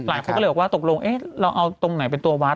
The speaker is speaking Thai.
หลายคนก็เลยบอกว่าตกลงเราเอาตรงไหนเป็นตัววัด